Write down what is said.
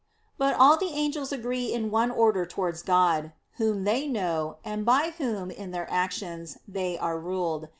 But all the angels agree in one order towards God, Whom they know, and by Whom in their actions they are ruled.